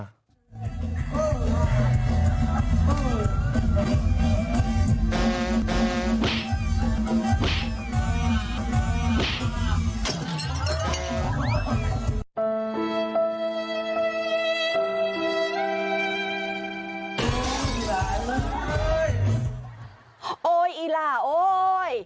เฮ้ยอีหล่าโอ้ย